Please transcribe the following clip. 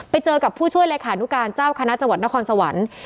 ไปเจอกับผู้ช่วยเลขานุการเจ้าคณะจังหวัดนครสวรรค์